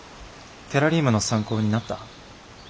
テラリウムの参考になった？